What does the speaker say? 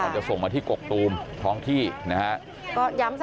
จะส่งมาที่กกตูมท้องที่นะฮะ